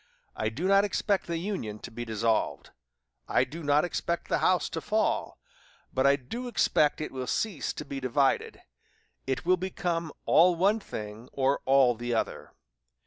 I do not expect the Union to be dissolved I do not expect the house to fall but I do expect it will cease to be divided. It will become all one thing or all the other.